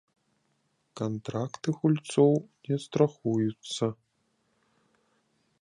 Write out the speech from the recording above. Кантракты гульцоў не страхуюцца.